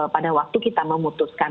pada waktu kita memutuskan